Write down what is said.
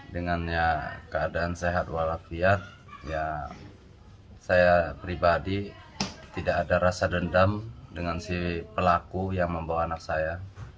dengannya keadaan sehat walafiat ya saya pribadi tidak ada rasa dendam dengan si pelaku yang membawa anak saya